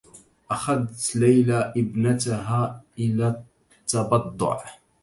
أخذت ليلى إبنتها إلى التّبضّع.